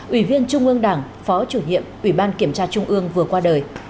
ủy viên trung ương đảng phó chủ nhiệm ủy ban kiểm tra trung ương vừa qua đời